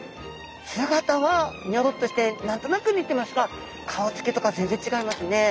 姿はニョロッとして何となく似てますが顔つきとか全然違いますね。